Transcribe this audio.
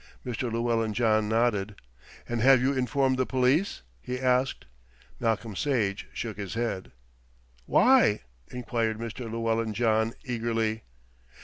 Mr. Llewellyn John nodded. "And have you informed the police?" he asked. Malcolm Sage shook his head. "Why?" enquired Mr. Llewellyn John eagerly.